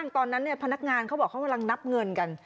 ตอนนั้นพนักงานเขาบอกเขากำลังนับเงินกัน